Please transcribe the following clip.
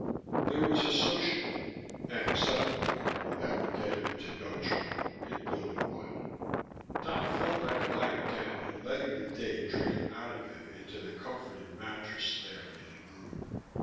There was a Social, an acceptable party that would get him into no trouble, in Building One. Dodd felt like lying down and letting the day drain out of him into the comforting mattress there in his room.